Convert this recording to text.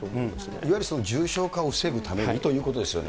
いわゆる重症化を防ぐためにということですよね。